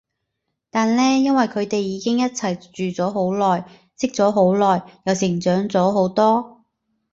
但呢因為佢哋已經一齊住咗好耐，識咗好耐，又成長咗好多